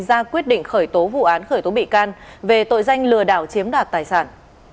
ra quyết định khởi tố vụ án khởi tố bị can về tội danh lừa đảo chiếm đoạt tài sản